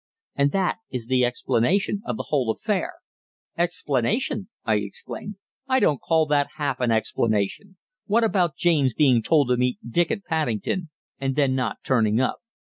And that is the explanation of the whole affair." "Explanation!" I exclaimed. "I don't call that half an explanation. What about James being told to meet Dick at Paddington and then not turning up?"